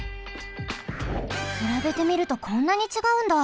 くらべてみるとこんなにちがうんだ。